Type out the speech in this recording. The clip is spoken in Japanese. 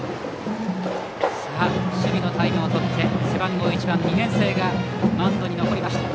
守備のタイムを取って背番号１番、２年生がマウンドに残りました。